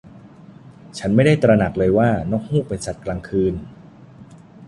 ฉันไม่ได้ตระหนักเลยว่านกฮูกเป็นสัตว์กลางคืน